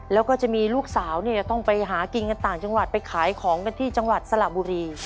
แล้วก็จะมีลูกสาวเนี่ยต้องไปหากินกันต่างจังหวัดไปขายของกันที่จังหวัดสระบุรี